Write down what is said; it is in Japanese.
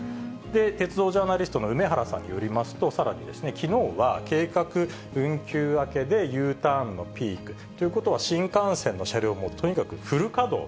鉄道ジャーナリストの梅原さんによりますと、さらにですね、きのうは、計画運休明けでＵターンのピーク。ということは新幹線の車両もとにかくフル稼働。